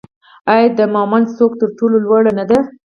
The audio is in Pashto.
آیا د دماوند څوکه تر ټولو لوړه نه ده؟